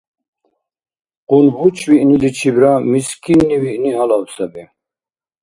КъунбучӀ виъниличибра мискинни виъни гьалаб саби.